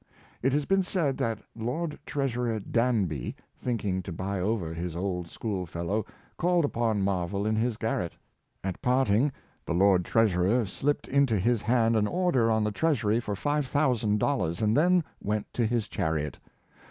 It has been said that Lord Treasurer Danby, think ing to buy over his old school fellow, called upon Mar vell in his garret. At parting the lord treasurer slipped into his hand an order on the treasury for $5,000, and then went to his chariot.